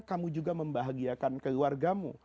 kamu juga membahagiakan keluargamu